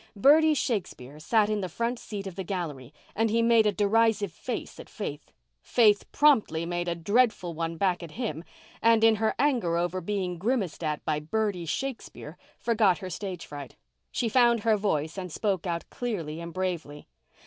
Bertie Shakespeare sat in the front seat of the gallery and he made a derisive face at Faith. Faith promptly made a dreadful one back at him, and, in her anger over being grimaced at by Bertie Shakespeare, forgot her stage fright. She found her voice and spoke out clearly and bravely.